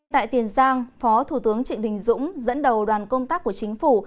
tại tiền giang phó thủ tướng trịnh đình dũng dẫn đầu đoàn công tác của chính phủ